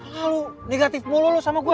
lalu negatif mulu lo sama gue